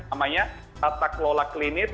namanya tata kelola klinis